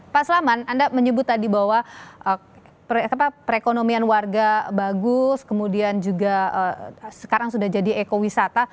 pak selamat anda menyebut tadi bahwa perekonomian warga bagus kemudian juga sekarang sudah jadi ekowisata